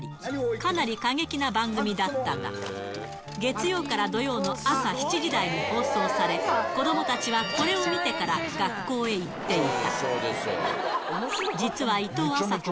かなり過激な番組だったが、月曜から土曜の朝７時台に放送され、子どもたちはこれを見てから学校へ行っていた。